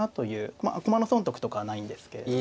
まあ駒の損得とかはないんですけれども。